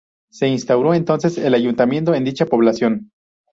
Se instauró entonces el Ayuntamiento en dicha población.